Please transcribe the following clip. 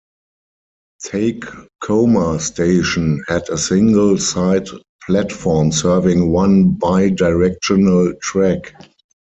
Takekoma Station had a single side platform serving one bi-directional track.